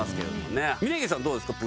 峯岸さんはどうですか？